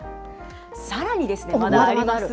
さらにですね、まだあります。